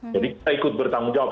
jadi kita ikut bertanggung jawab